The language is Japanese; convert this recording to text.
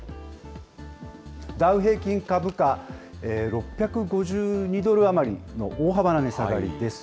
ダウ平均株価、６５２ドル余りの大幅な値下がりです。